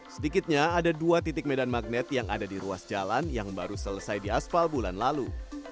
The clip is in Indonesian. sedikitnya ada dua titik medan magnet yang ada di ruas jalan yang baru selesai di asfal bulan lalu